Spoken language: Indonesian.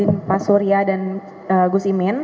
pak surya dan gus imin